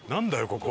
ここ。